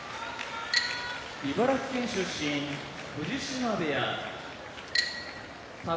茨城県出身藤島部屋宝